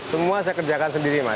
semua saya kerjakan sendiri mas